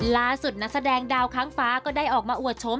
นักแสดงดาวค้างฟ้าก็ได้ออกมาอวดชม